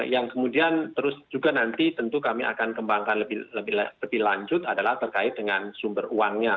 yang kemudian terus juga nanti tentu kami akan kembangkan lebih lanjut adalah terkait dengan sumber uangnya